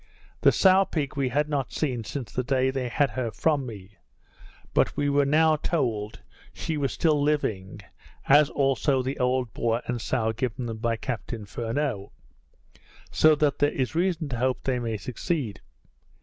The sow pig we had not seen since the day they had her from me; but we were now told she was still living, as also the old boar and sow given them by Captain Furneaux; so that there is reason to hope they may succeed.